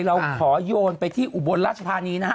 เราขอโยนไปที่อุบลราชธานีนะฮะ